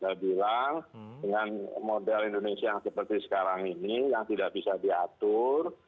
saya bilang dengan model indonesia yang seperti sekarang ini yang tidak bisa diatur